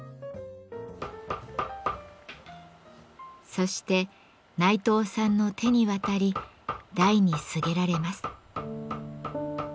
そして内藤さんの手に渡り台にすげられます。